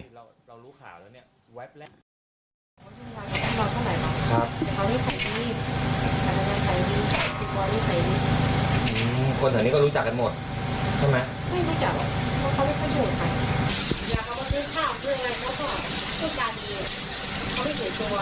อยากเอามาซื้อข้าวเพื่อให้เขาบอกที่การเองเขาไม่เห็นตัว